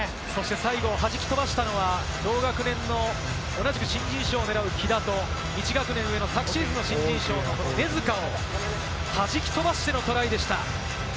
最後、弾き飛ばしたのは同学年の同じく新人賞を狙う木田と、１学年上の昨シーズンの新人賞の根塚を弾き飛ばしてのトライでした。